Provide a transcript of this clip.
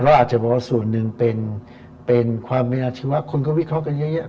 อาจจะบอกว่าส่วนหนึ่งเป็นความเป็นอาชีวะคนก็วิเคราะห์กันเยอะแยะ